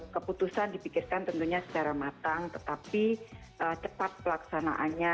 keputusan dipikirkan tentunya secara matang tetapi cepat pelaksanaannya